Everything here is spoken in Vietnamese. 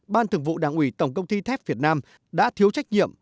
ban thường vụ đảng ủy tổng công ty thép việt nam đã thiếu trách nhiệm